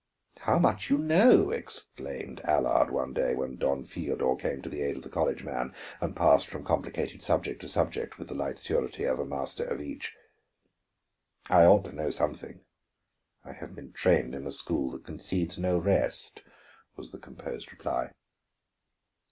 "How much you know!" exclaimed Allard, one day when Don Feodor came to the aid of the college man and passed from complicated subject to subject with the light surety of a master of each. "I ought to know something; I have been trained in a school that concedes no rest," was the composed reply.